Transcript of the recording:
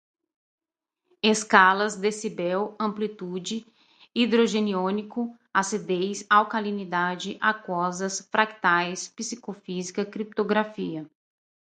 escalas, decibel, amplitude, hidrogeniônico, acidez, alcalinidade, aquosas, fractais, psicofísica, criptografia